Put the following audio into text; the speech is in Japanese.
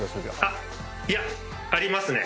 あっいやありますね。